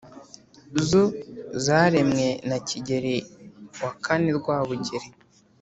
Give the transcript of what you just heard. zo zaremwe na kigeri iv rwabugiri,